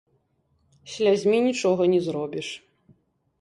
Слязьмі нічога не зробіш.